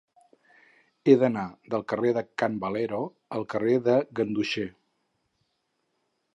He d'anar del carrer de Can Valero al carrer de Ganduxer.